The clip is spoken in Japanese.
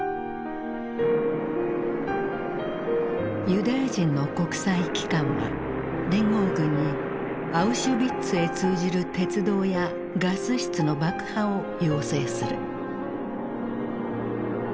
ユダヤ人の国際機関は連合軍にアウシュビッツへ通じる鉄道やガス室の爆破を要請する。